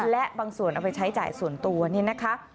และบางส่วนเอาไปใช้จ่ายส่วนตัวนี่นะคะ